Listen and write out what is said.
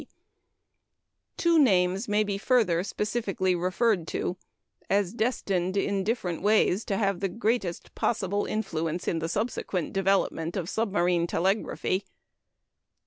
P. Two names may be further specially referred to as destined, in different ways, to have the greatest possible influence in the subsequent development of submarine telegraphy.